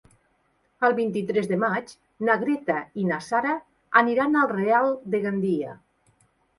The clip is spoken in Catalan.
El vint-i-tres de maig na Greta i na Sara aniran al Real de Gandia.